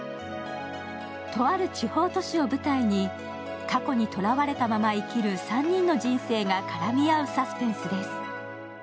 とある地方都市を舞台に過去にとらわれたまま生きる３人の人生が絡み合うサスペンスです。